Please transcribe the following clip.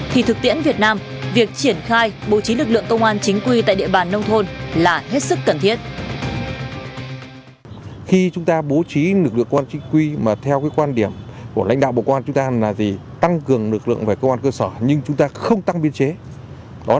thì thực tiễn việt nam việc triển khai bố trí lực lượng công an chính quy tại địa bàn nông thôn là hết sức cần thiết